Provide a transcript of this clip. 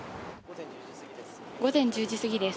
午前１０時過ぎです。